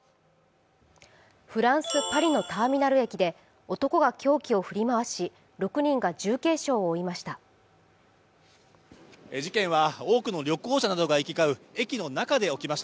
フランス・パリのターミナル駅で男が凶器を振り回す事件が起きました。